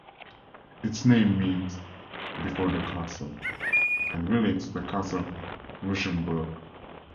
Its name means "before the castle" and relates to the castle Rychmburk.